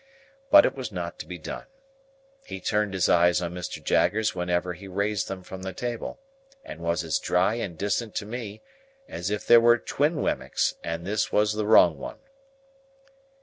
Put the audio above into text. But it was not to be done. He turned his eyes on Mr. Jaggers whenever he raised them from the table, and was as dry and distant to me as if there were twin Wemmicks, and this was the wrong one.